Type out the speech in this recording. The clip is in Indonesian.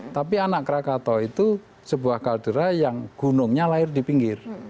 tapi anak krakatau itu sebuah kaldera yang gunungnya lahir di pinggir